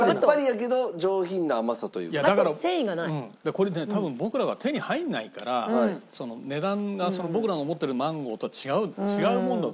これね多分僕らが手に入らないから値段が僕らの思ってるマンゴーとは違うものだと思ってる。